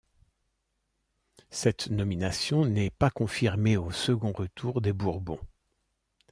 Cette nomination n'est pas confirmée au second retour des Bourbons.